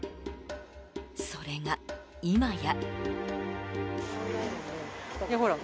それが今や。